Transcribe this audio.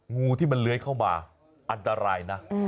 งูที่มันเลื้อยเข้ามาอันตรายนะ